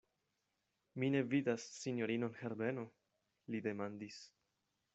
Mi ne vidas sinjorinon Herbeno, li demandis.